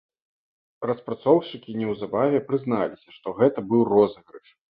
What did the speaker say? Распрацоўшчыкі неўзабаве прызналіся, што гэта быў розыгрыш.